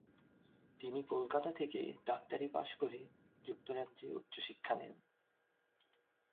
তিনি কলকাতা থেকে ডাক্তারি পাস করে যুক্তরাজ্যে উচ্চশিক্ষা নেন।